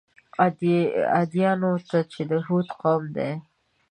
عادیانو ته چې د هود قوم دی.